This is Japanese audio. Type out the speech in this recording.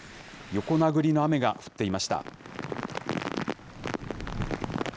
横殴りの雨が降っていました。